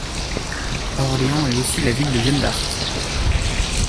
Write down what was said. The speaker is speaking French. Orléans est aussi la ville de Jeanne d'Arc.